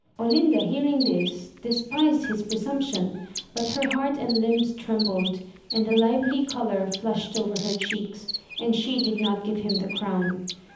Olinda hearing this, despised his presumption, but her heart and limbs trembled, and a lively colour flushed over her cheeks, and she did not give him the crown.